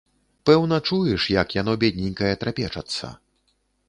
Пэўна чуеш, як яно, бедненькае, трапечацца.